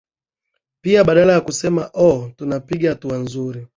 pia badala ya kusema oo tunapiga hatua nzuri